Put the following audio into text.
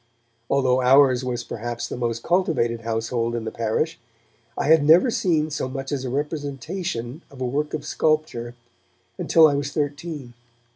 Although ours was perhaps the most cultivated household in the parish, I had never seen so much as a representation of a work of sculpture until I was thirteen.